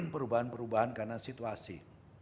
perubahan perubahan karena situasi